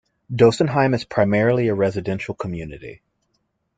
Dossenheim is primarily a residential community.